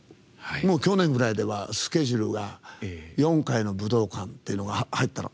去年ぐらいではスケジュールが４回の武道館っていうのが入ったのが。